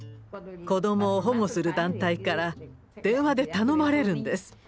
子どもを保護する団体から電話で頼まれるんです。